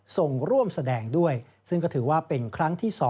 ส่งร่วมแสดงด้วยซึ่งก็ถือว่าเป็นครั้งที่๒